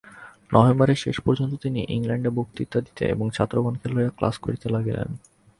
নভেম্বরের শেষ পর্যন্ত তিনি ইংলণ্ডে বক্তৃতা দিতে এবং ছাত্রগণকে লইয়া ক্লাস করিতে লাগিলেন।